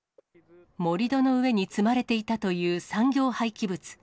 盛り土の上に積まれていたという産業廃棄物。